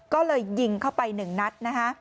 ก็เลยยิงเข้าไปหนึ่งนัดนะคะ